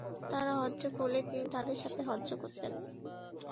তাঁরা হজ্জ করলে তিনি তাঁদের সাথে হজ্জ করতেন।